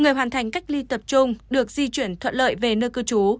người hoàn thành cách ly tập trung được di chuyển thuận lợi về nơi cư trú